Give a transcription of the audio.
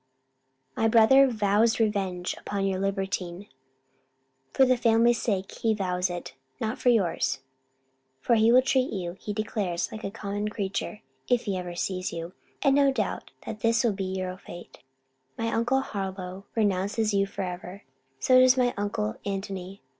My brother vows revenge upon your libertine for the family's sake he vows it not for yours! for he will treat you, he declares, like a common creature, if ever he sees you: and doubts not that this will be your fate. My uncle Harlowe renounces you for ever. So does my uncle Antony.